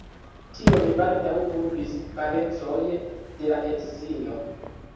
Tion baldaŭ dubis parencoj de la edzino.